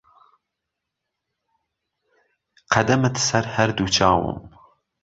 قەدەمت سەر هەر دوو چاوم